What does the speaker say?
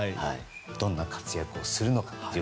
どんな活躍をするのか。